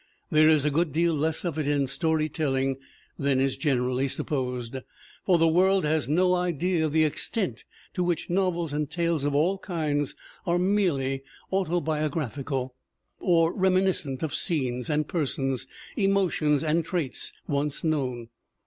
There is a good deal less of it in story telling than is generally supposed. For the world has no $ea of the extent to which novels and tales of all kinds are merely autobiographical, or reminis cent of scenes and persons, emotions and traits, once known.